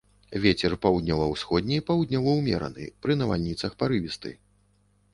Вецер паўднёва-ўсходні, паўднёвы ўмераны, пры навальніцах парывісты.